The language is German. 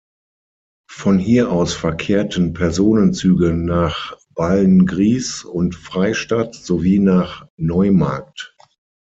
Von hier aus verkehrten Personenzüge nach Beilngries und Freystadt sowie nach Neumarkt.